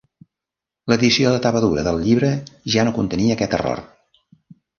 L'edició de tapa dura del llibre ja no contenia aquest error.